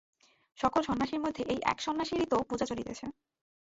সকল সন্ন্যসীর মধ্যে এই এক সন্ন্যাসীরই তো পূজা চলিতেছে।